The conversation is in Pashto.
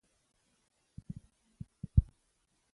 تر کله به زه ستا لارې څارنه.